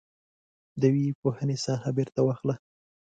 د ويي پوهنې ساحه بیرته واخله.